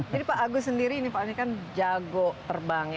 jadi pak agus sendiri ini pak agus kan jago terbangnya